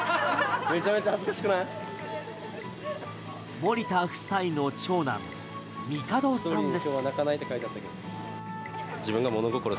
森田夫妻の長男・帝さんです。